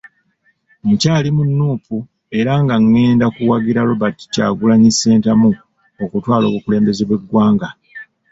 Nkyali mu Nuupu era nga ngenda kuwagira Robert Kyagulanyi Ssentamu okutwala obukulembeze bw'eggwanga.